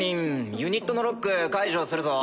ユニットのロック解除するぞ。